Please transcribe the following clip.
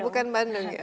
bukan bandung ya